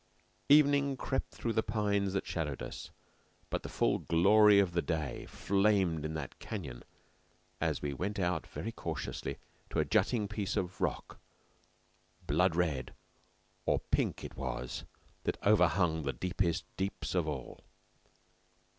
Evening crept through the pines that shadowed us, but the full glory of the day flamed in that canyon as we went out very cautiously to a jutting piece of rock blood red or pink it was that overhung the deepest deeps of all.